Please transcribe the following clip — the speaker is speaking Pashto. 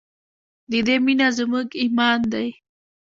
د دې مینه زموږ ایمان دی؟